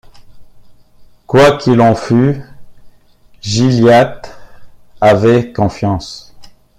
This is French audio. Quoi qu’il en fût, Gilliatt avait confiance.